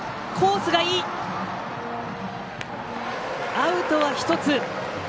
アウトは１つ。